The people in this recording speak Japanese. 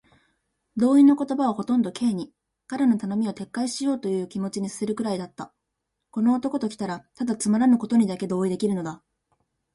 同意の言葉はほとんど Ｋ に、彼の頼みを撤回しようというという気持にさせるくらいだった。この男ときたら、ただつまらぬことにだけ同意できるのだ。